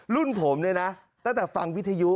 รุ่นผมเนี่ยนะตั้งแต่ฟังวิทยุ